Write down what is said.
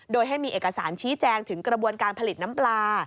โดยให้มีเอกสารชี้แจงถึงกระบวนการผลิตน้ำปลา